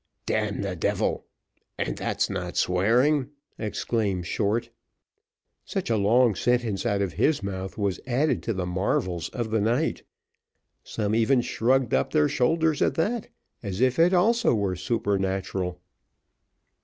"Damn the devil! and that's not swearing," exclaimed Short such a long sentence out of his mouth was added to the marvels of the night some even shrugged up their shoulders at that, as if it also were supernatural.